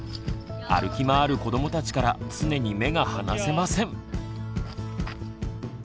歩き回る子どもたちから常に目が離せません。